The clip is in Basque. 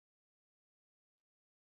Bat-bateko heriotzaz ari gara.